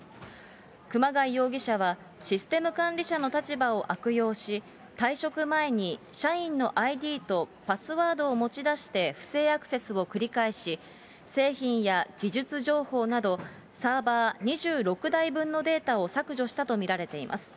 熊谷容疑者は、システム管理者の立場を悪用し、退職前に社員のＩＤとパスワードを持ち出して不正アクセスを繰り返し、製品や技術情報など、サーバー２６台分のデータを削除したと見られています。